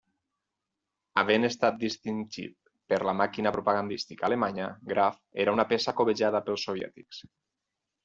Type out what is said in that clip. Havent estat distingit per la màquina propagandística alemanya, Graf era una peça cobejada pels soviètics.